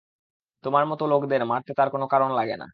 তোমার মতো লোকদের মারতে তার কোনো কারণ লাগে না।